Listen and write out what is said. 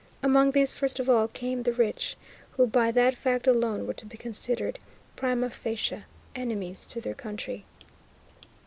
Among these, first of all, came "the rich," who by that fact alone were to be considered, prima facie, enemies to their country.